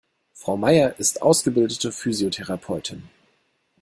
Frau Maier ist ausgebildete Physiotherapeutin.